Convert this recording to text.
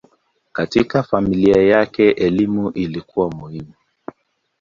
Katika familia yake elimu ilikuwa muhimu.